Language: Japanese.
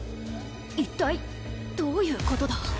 一体どういうことだ？